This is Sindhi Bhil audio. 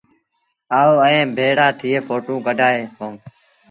آئو ائيٚݩ ڀيڙآ ٿئي ڦوٽو ڪڍآئي وهو۔